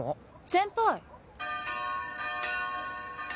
先輩。